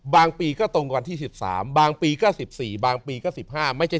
ปีก็ตรงกับวันที่๑๓บางปีก็๑๔บางปีก็๑๕ไม่ใช่